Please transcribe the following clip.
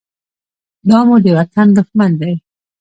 دا مو د وطن دښمن دى.